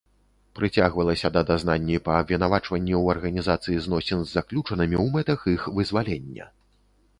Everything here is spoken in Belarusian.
Прыцягвалася да дазнанні па абвінавачванні ў арганізацыі зносін з заключанымі ў мэтах іх вызвалення.